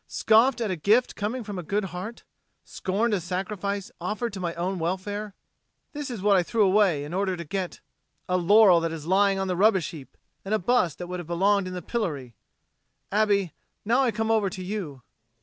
Scoffed at a gift coming from a good heart; scorned a sacrifice offered to my own welfare. This was what I threw away in order to get a laurel that is lying on the rubbish heap, and a bust that would have belonged in the pillory Abbé, now I come over to you.